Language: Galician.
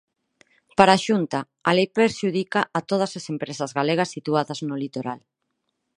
Para a Xunta, a lei prexudica a todas as empresas galegas situadas no litoral.